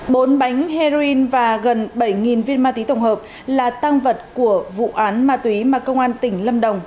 bốn bánh heroin và gần bảy viên ma túy tổng hợp là tăng vật của vụ án ma túy mà công an tỉnh lâm đồng